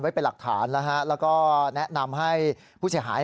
เป็นหลักฐานนะฮะแล้วก็แนะนำให้ผู้เสียหาย